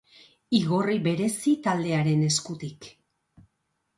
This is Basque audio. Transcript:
Igorri berezi taldearen eskutik.